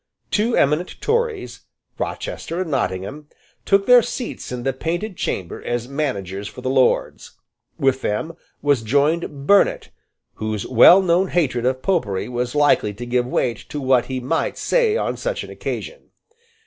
Two eminent Tories, Rochester and Nottingham, took their seats in the Painted Chamber as managers for the Lords. With them was joined Burnet, whose well known hatred of Popery was likely to give weight to what he might say on such an occasion.